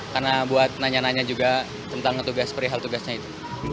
karena buat nanya nanya juga tentang tugas pria hal tugasnya itu